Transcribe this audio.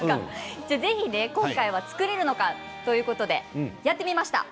今回は作れるのかということでやってみました。